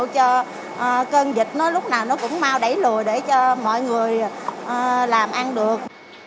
cho cơn dịch nó lúc nào nó cũng mau đẩy lùi để cho mọi người làm ăn được